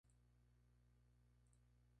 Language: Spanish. You are in the jungle... you're gonna die!